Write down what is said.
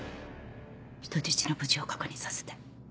人質の無事を確認させて。